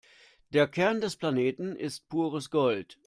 Der Kern des Planeten ist pures Gold.